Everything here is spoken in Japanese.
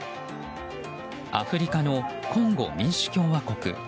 アフリカのコンゴ民主共和国。